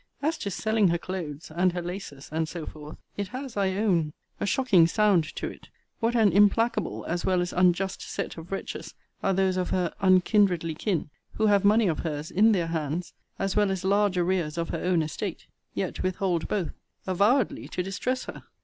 As to selling her clothes, and her laces, and so forth, it has, I own, a shocking sound to it. What an implacable as well as unjust set of wretches are those of her unkindredly kin, who have money of her's in their hands, as well as large arrears of her own estate; yet with hold both, avowedly to distress her!